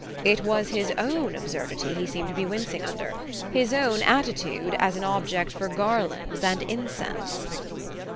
It was his own absurdity he seemed to be wincing under his own attitude as an object for garlands and incense.